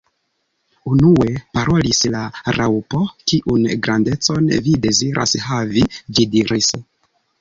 Unue parolis la Raŭpo. "Kiun grandecon vi deziras havi?" ĝi diris.